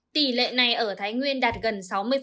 tỷ lệ này ở thái nguyên đạt gần sáu mươi